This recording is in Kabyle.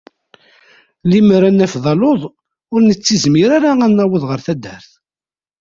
Limmer ad naf d aluḍ, ur nettizmir ara ad naweḍ γer taddert.